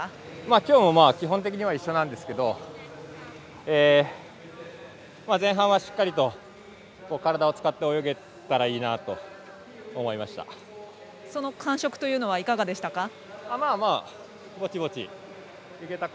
今日も基本的には一緒なんですけど前半はしっかりと体を使って泳げたらいいなとその感触はいかがでしたか。